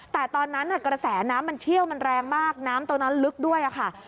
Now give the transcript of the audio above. แต่ตอนนั้นกระแสน้ำมันเชี่ยวมันแรงมากน้ำตรงนั้นลึกด้วยค่ะ